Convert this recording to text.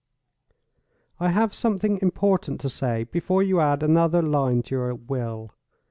"I have something important to say, before you add another line to your will.